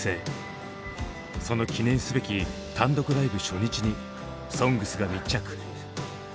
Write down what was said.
その記念すべき単独ライブ初日に「ＳＯＮＧＳ」が密着。